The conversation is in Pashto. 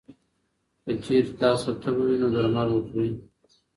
که چېرې تاسو ته تبه وي، نو درمل وخورئ.